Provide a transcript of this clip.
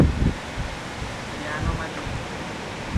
Adriano Marinetti